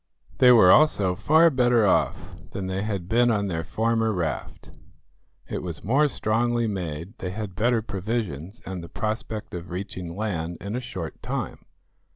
They were also far better off than they had been on their former raft. It was more strongly made, they had better provisions, and the prospect of reaching land in a short time.